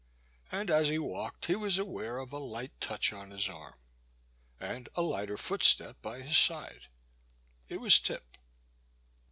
And as he walked he was aware of a light touch on his arm, and a lighter footstep by his side. It was Tip.